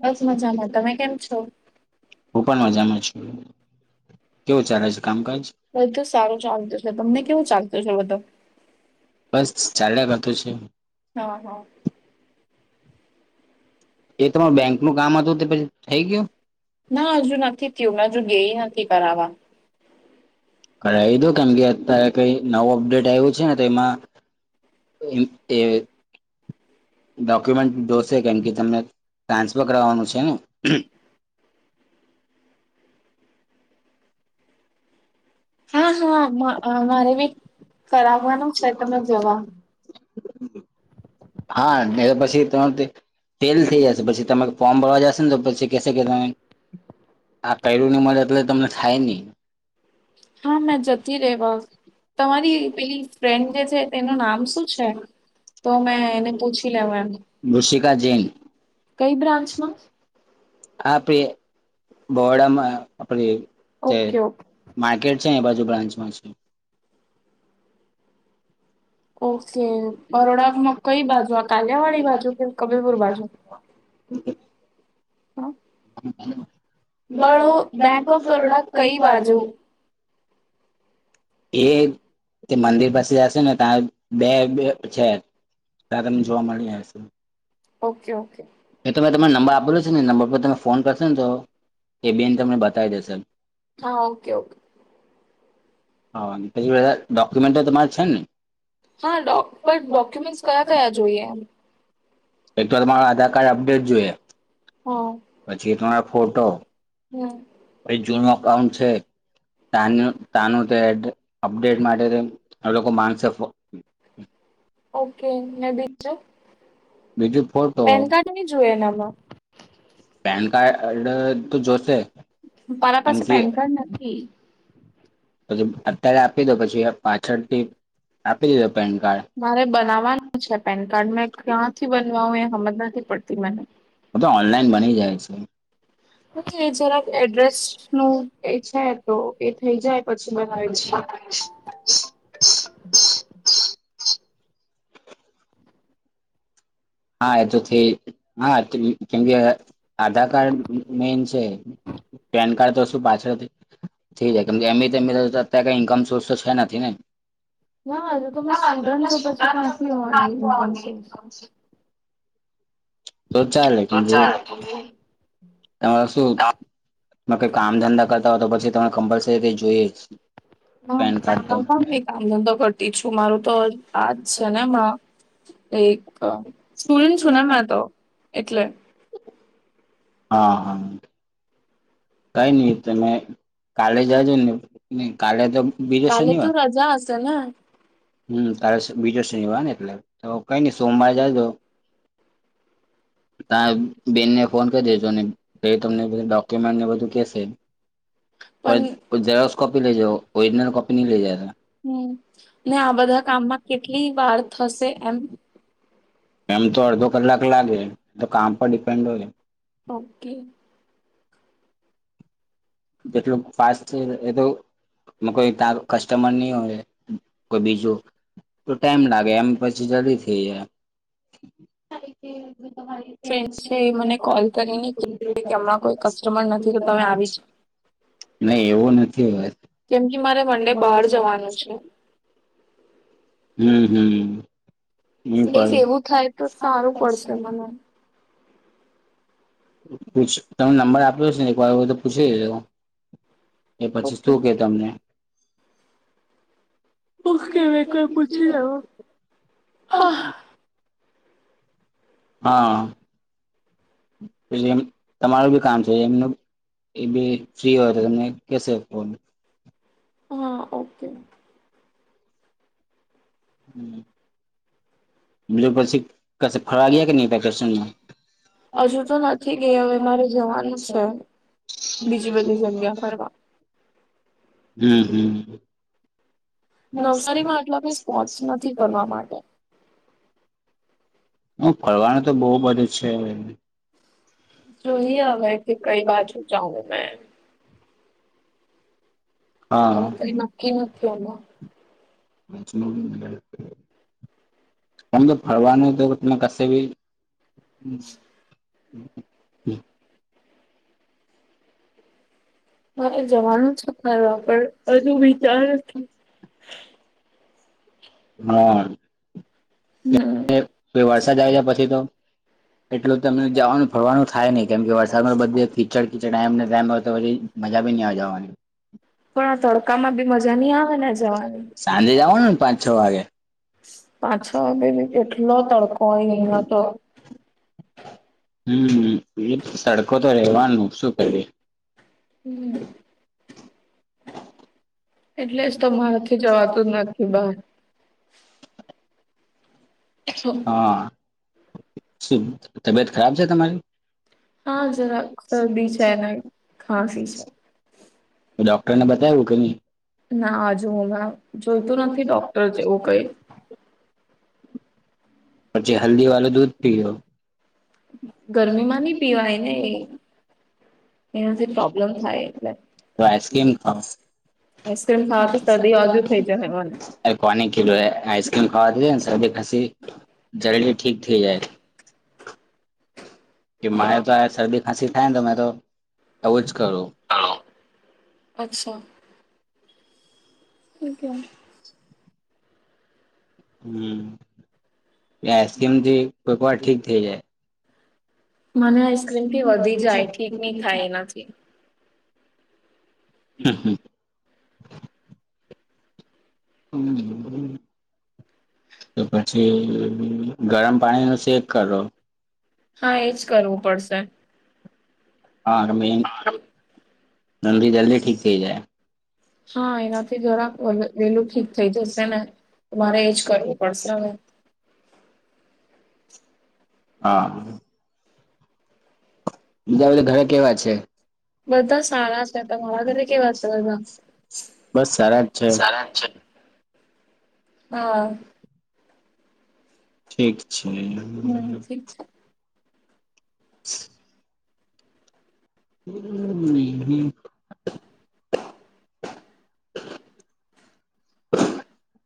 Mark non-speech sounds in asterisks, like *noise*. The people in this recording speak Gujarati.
બસ મજામાં. તમે કેમ છો? હું પણ મજામાં છું. કેવું ચાલે છે કામકાજ? બધું સારું ચાલતું છે. તમને કેવું ચાલતું છે બધું? બસ ચાલ્યા કરતું છે. હા, હા. એ તમાર બેંક નું કામ હતું તે પછી થાઈ ગયુ ના હજુ નથી થયું હજુ ગે નથી કરવા કરાવી દો કેમ કે અતારે કઈ નવું અપડેટ આવ્યું છે ને તો ત એ માં એમ એ ડોક્યુમેન્ટ જોશે કેમ કે તમને ટ્રાન્સફર કરવાનું છે ને હા હા મારે બી ફરાવાનું છે તમે જવા તમે તે તેલ થઈ જશે પછી તે ફોર્મ ભરવા જાશે ને તો પછી કેશે કે તમે આ કર્યું ની મળે એટલે તમને થાય ની હા મેં જતી રેવા તમારી પેલી ફ્રેન્ડ જે છે તેનું નામ શું છે તો મેં એને પૂછી લેવા એમ ઋષિકા જૈન કઈ બ્રાન્ચમાં આપ પે બોડામાં આપડી જે ઓકે, ઓકે. માર્કેટ એ બાજુ બ્રાન્ચમાં છે ઓકે બરોડામાં કઈ બાજુ આ કાલિયાવાડી બાજુ કે કબીલપુર બાજુ *inaudible* હા હ બળો બેંક ઓફ બરોડા કઈ બાજુ એ તે મંદિર પાસે જશે ને તા બે બે છે ત તમને જોવા મળી હશે ઓકે, ઓકે. એ તમે તમારોને નંબર આપેલો છે ને નંબર પર તમે ફોન કરશેને તો એ બેન તમને બતાવી દેશે હા ઓકે ઓકે હા બધા ડોક્યુમેન્ટ તમારે છે ને હા બ ડોક્યુમેન્ટ કયા કયા જોઈએ એમ એક તો તમારો આધાર કાર્ડ અપડેટ જોઈએ હા પછી ત ફોટો હમ પછી જૂનમાં કામ છે. તાન તાનું અપડેટ માટે આ લોકો માનશે ઓકે ને બીજું પેન કાર્ડ નહી જોએ ને આમાં પેન કાર્ડ તો જોશે મારા કેમ પાસે કે પેન કાર્ડ નથી પછી અત્યારે આપી દો પછી આપ પાછળથી આપી મારે પેનકાર્ડ બનાવવાનું છે પેન કાર્ડ મેં ક્યાંથી બનવાવું એ હમજ નથી પડતી મને *inaudible* તો ઓનલાઈન બની જાય છે. એ જરાક એડ્રેસનું એ છે તો એ થઈ જાય પછી બનાવે છે. હા એ તો થઈ હા કેમ કે આધાર કાર્ડ મેન છે પેન કાર્ડ તો શું પાછળ થઈ જાય કેમ એમ અત્યારે કઈ ઈન્કમ સોર્સ તો છે નથી ને ના *inaudible* તો ચાલે કે જે તમારે શું તમે કઈ કામ ધંધા કરતા હોય તો પછી તમે કમ્પલસરી કઈ જોઈએ જ પેન કાર્ડ તો *unintelligible* કામ ધંધો કરતી છું મારું તો આજ છે ને એમાં એક સ્ટુડન્ટ છું ને મે તો એટલે હા હા કઈ નઈ તમે કાલે જજો ને કાલે તો બીજો કાલે તો શનિવાર રજા હશે ને હમ તારે બીજો શનિવાર ને એટલે કઈ નહી સોમવારે જજો તારા બેનને ફોન કરી દેજો તમને ડોક્યુમેન્ટને બધું કેશે પણ કોઈ ઝેરોક્ષ કોપી લે જાઓ ઓરિજનલ કોપી નહી લઇ જતા હમ ને આ બધા કામમાં કેટલી વાર થશે એમ એમ તો અડધો કલાક લાગે તો કામ પર ડિપેન્ડ હોય ઓકે જેટલું ફાસ્ટ છે એ તો ન કોઈ તારુ કસ્ટમર નહી હો વે કોઈ બીજું તો ટાઈમ લાગે એમ પછી જલ્દી થી એ *inaudible* ફ્રેન્ડ છે મને કોલ કરીને કે હમણાં કોઈ કસ્ટમર નથી તો તમે આવી જ નહી એવું નથી હોત કેમ મારે મંડે બહાર જવાનું છે. હમ હમ નહી ઇફ પડે એવું થાય તો સારું પડશે મને પુછ તમે નંબર આપ્યો છે ને એક વાર એવુ તો પૂછી લેજો એ પછી ઓકે શું કે તમને ભુખ *unintelligible* પછી જાવા હા હા *unintelligible* તમારું બી કામ છે એમનું એ બી ફ્રી હોય તો તમને કેશે હા ઓકે હમ્મ બીજુ પછી કસે ફરવા ગીતા કે ની વેકેશન મા હજુ તો નથી ગઈ હવે મારે જવાનું છે બીજી બધી જગ્યા ફરવા *unintelligible* હમ હમ નવસારીમાં આટલા કઈ સ્પોર્ટસ નથી ફરવા માટે હ ફરવાનુ તો બો બધે છે. જોઈએ હવે કે કઈ બાજુ જાઉ મેં હા આવું કંઈ નકકી નથી *unintelligible* હમ તો ફરવાનું તો કશે ભી હમ્મ *inaudible* હા જવાનું છે ફરવા પણ હજુ વિચાર હા હમ્મ વરસાદ આવ છે પછી તો એટલ તમને જવાનું ફરવાનું થાય નહિ કેમ કે વરસાદમાં બધે ખીચડ ટાઈમ ટાઈમ હોય તોછી મજા બી નહી જવાની પણ તડકામાં બી મજા નઈ આવે ને જવાની સાંજે જવાનું ને પાંચ છ વાગે પાછો બેેટ કેટલો તડકો હોય અહયા તો હમ એ તડકો તો રેવાનુ શું કરે હમ એટલે જ તમારાથી જવાતું જ નથી બાર હા *unintelligible* તબીયત ખરાબ છે તમારી હા જરાક શરદી છે ને ખાંસી છે. ડોક્ટરને બતાયવુ કે ની ના હજુ હમણાં જોઈતું નથી ડોક્ટર જેવું કઈ. *inaudible* પછી હલ્દી વાળું દૂધ પીઓ ગરમીમાં ની પીવાય ને એનાથી પ્રોબ્લેમ થાય એટલે. તો આઈસક્રીમ ખાવો આઈસ્ક્રીમ ખાવાથી શરદી ઓજુ થઈ જાય મને. કોને કિધું આઈસક્ર્રીમ ખાવાતી સદી ખસી જલદી ઠીક થે જાય કે મને હા તો આ સદી ખસી થાય ને તો મેં તો આવું જ કરું અચ્છા *inaudible* હમ કે આઈસ્ક્રીમથી કોઈક વાર ઠીક થઈ જાય મને આઈસ્ક્રીમથી વધી જાય ઠીક નહી થાય એનાથી હમ હમ *inaudible* તો પછી ગરમ પાણીનો શેક કરો હા એજ કરવું પડશે હા તો મેન ની જલ્દી ઠીક થઈ જાય. હા એનાથી જરાક વેલું ઠીક થઈ જશે ને મારે એજ કરવું પડશે હવે. હા. બીજા બધા ઘરે કેવા છે? બધા સારા છે તમારા ઘરે કેવા છે બધા બસ સારા જ સારા છે. હા. ઠીક છ. હમ ઠીક છે *unintelligible* *inaudible* હમ. *inaudible*